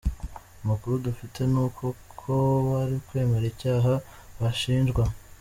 Amakuru dufite ni uko ko bari kwemera icyaha bashinjwa.